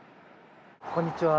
こんにちは。